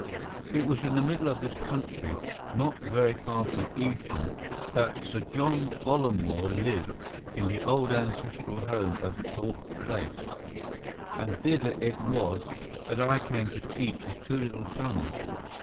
It was in the middle of this country, not very far from Evesham, that Sir John Bollamore lived in the old ancestral home of Thorpe Place, and thither it was that I came to teach his two little sons.